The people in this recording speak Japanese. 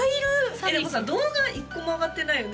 ３匹動画１個も上がってないよね？